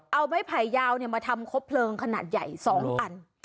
เอาไม้ไผ่ยาวมาทำครบเพลิงขนาดใหญ่๒อัน